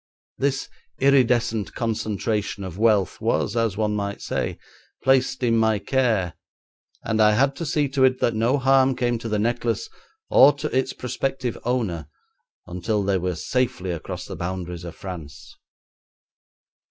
This iridescent concentration of wealth was, as one might say, placed in my care, and I had to see to it that no harm came to the necklace or to its prospective owner until they were safely across the boundaries of France.